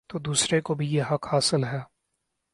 تو دوسرے کو بھی یہ حق حاصل ہے۔